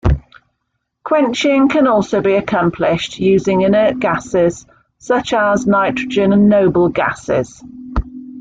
Quenching can also be accomplished using inert gases, such as nitrogen and noble gasses.